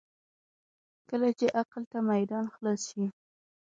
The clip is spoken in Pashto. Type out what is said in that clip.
کله چې عقل ته میدان خلاص شي.